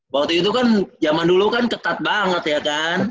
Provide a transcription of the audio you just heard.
waktu itu kan zaman dulu kan ketat banget ya kan